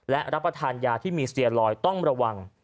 และรับประทานยาที่มีสเตียลอยต้องระวัง